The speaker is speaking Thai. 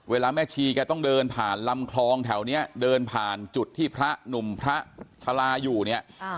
แม่ชีแกต้องเดินผ่านลำคลองแถวนี้เดินผ่านจุดที่พระหนุ่มพระชาลาอยู่เนี่ย